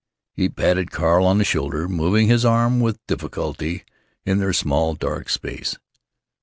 He patted Carl on the shoulder, moving his arm with difficulty in their small, dark space.